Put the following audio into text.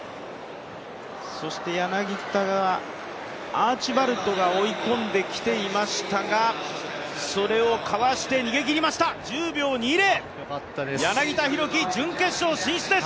柳田はアーチバルドが追い込んできていましたが、それをかわして逃げ切りました、１０秒２０、柳田大輝、準決勝進出です。